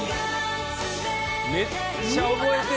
めっちゃ覚えてる！